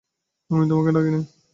আমি তোমাকে ডাকি নাই।